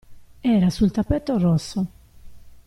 Era sul tappeto rosso.